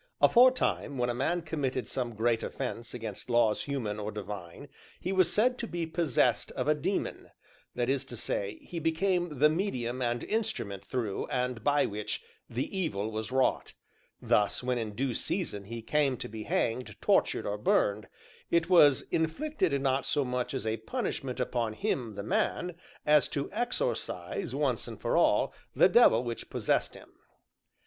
Aforetime, when a man committed some great offence against laws human or divine, he was said to be possessed of a daemon that is to say, he became the medium and instrument through, and by which, the evil was wrought; thus, when in due season he came to be hanged, tortured, or burned, it was inflicted not so much as a punishment upon him, the man, as to exorcise, once and for all, the devil which possessed him.